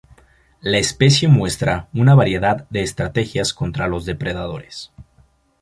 La especie muestra una variedad de estrategias contra los depredadores.